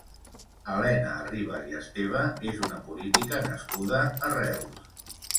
Helena Arribas i Esteve és una política nascuda a Reus.